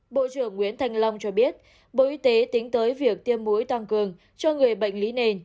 bộ trưởng nguyễn thanh long cho biết bộ y tế tính tới việc tiêm muối tăng cường cho người bệnh lý nền